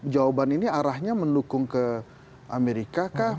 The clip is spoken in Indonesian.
jawaban ini arahnya mendukung ke amerika kah